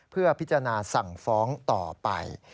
เพื่อพิจารณาสั่งฟ้องต่อไป